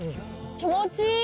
気持ちいい！